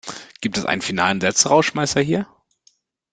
Gibt es einen finalen Sätzerausschmeißer hier?